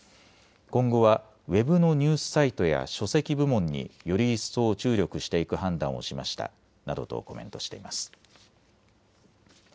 今後はウェブのニュースサイトや書籍部門により一層注力していく判断をしましたなどとコメントしています。